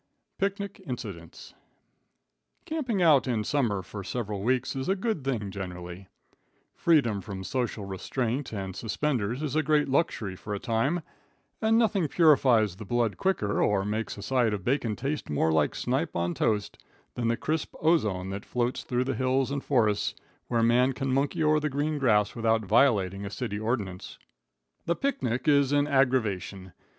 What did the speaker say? Picnic Incidents. Camping out in summer for several weeks is a good thing generally. Freedom from social restraint and suspenders is a great luxury for a time, and nothing purifies the blood quicker, or makes a side of bacon taste more like snipe on toast, than the crisp ozone that floats through the hills and forests where man can monkey o'er the green grass without violating a city ordinance. The picnic is an aggravation.